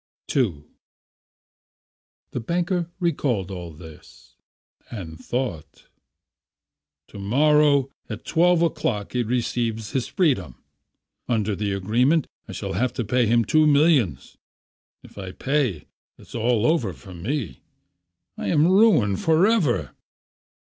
II The banker recalled all this, and thought: "To morrow at twelve o'clock he receives his freedom. Under the agreement, I shall have to pay him two millions. If I pay, it's all over with me. I am ruined for ever